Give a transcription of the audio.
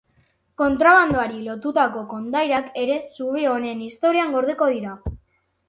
Kontrabandoari lotutako kondairak ere zubi honen historian gordeko dira.